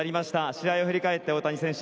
試合を振り返って大谷選手